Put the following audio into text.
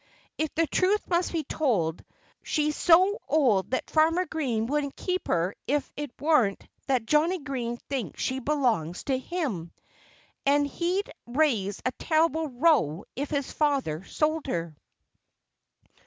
If the truth must be told, she's so old that Farmer Green wouldn't keep her if it weren't that Johnnie Green thinks she belongs to him. And he'd raise a terrible row if his father sold her."